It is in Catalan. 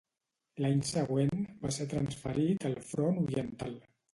L'any següent, va ser transferit al Front Oriental.